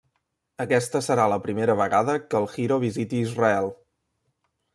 Aquesta serà la primera vegada que el Giro visiti Israel.